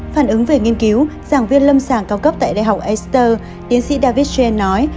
phản ứng về nghiên cứu giảng viên lâm sàng cao cấp tại đại học ester tiến sĩ david gen nói